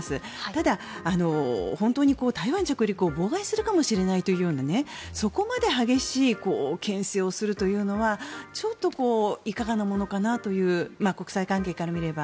ただ、本当に台湾着陸を妨害するかもしれないというようなそこまで激しいけん制をするというのはちょっといかがなものかなという国際関係からみれば。